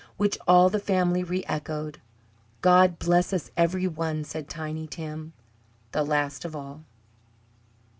Which all the family reechoed. "God bless us every one!" said Tiny Tim, the last of all.